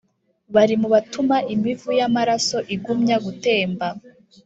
bari mu batuma imivu y’amaraso igumya gutemba